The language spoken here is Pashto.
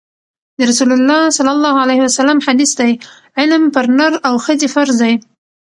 د رسول الله ﷺ حدیث دی: علم پر نر او ښځي فرض دی